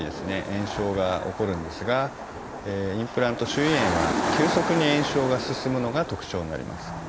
炎症が起こるんですがインプラント周囲炎は急速に炎症が進むのが特徴になります。